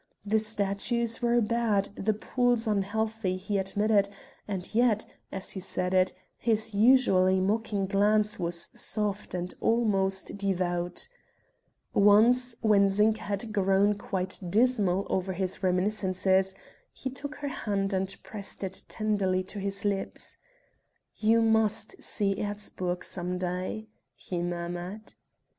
The statues were bad, the pools unhealthy he admitted, and yet, as he said it, his usually mocking glance was soft and almost devout Once, when Zinka had grown quite dismal over his reminiscences, he took her hand and pressed it tenderly to his lips: "You must see Erzburg some day," he murmured.